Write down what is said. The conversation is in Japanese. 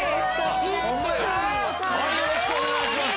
よろしくお願いします。